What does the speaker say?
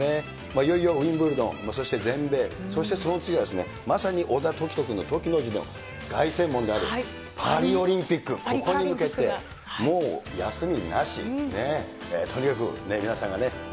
いよいよウィンブルドン、そして全米、そしてその次はまさに小田凱人君の凱の字の凱旋門である、パリオリンピック、ここに向けて、もう休みなし。